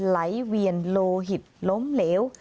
ไหลเวียนโลหิตล้มเหลว